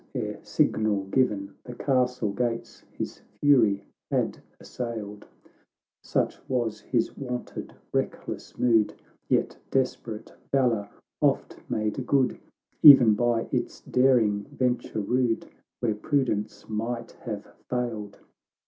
Ere signal given, the castle gates His fury had assailed ; Such was his wonted reckless mood, Yet desperate valour oft made good, Even by its daring, venture rude, Where prudence might have failed.